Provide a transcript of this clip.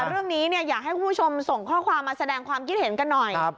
เรื่องนี้อยากให้คุณผู้ชมส่งข้อความมาแสดงความคิดเห็นกันหน่อย